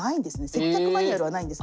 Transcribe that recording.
接客マニュアルはないんです。